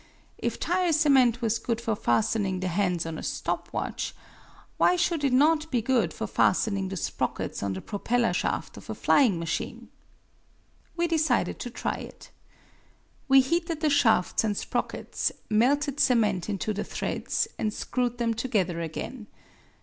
If tire cement was good for fastening the hands on a stop watch, why should it not be good for fastening the sprockets on the propeller shaft of a flying machine? We decided to try it. We heated the shafts and sprockets, melted cement into the threads, and screwed them together again.